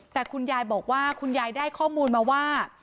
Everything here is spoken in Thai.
แต่คุณยายบอกว่าคุณยายได้ข้อมูลมาว่า